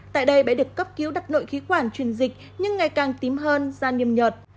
tại đây bé được cấp cứu đặt nội khí quản truyền dịch nhưng ngày càng tím hơn da niêm yợt